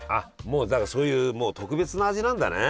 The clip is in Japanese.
もうだからそういう特別な味なんだね。